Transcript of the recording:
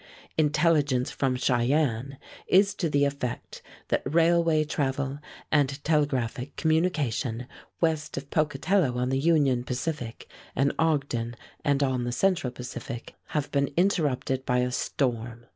Intelligence from Cheyenne is to the effect that railway travel and telegraphic communication west of Pocatello on the Union Pacific and Ogden and on the Central Pacific have been interrupted by a storm.